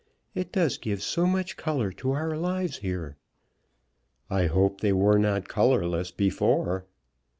It does give so much colour to our lives here." "I hope they were not colourless before."